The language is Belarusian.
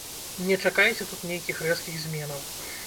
Не чакайце тут нейкіх рэзкіх зменаў.